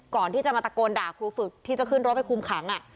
ก่อนที่จะมาตะโกนด่าครูฝึกที่จะขึ้นรถไปคุมขัง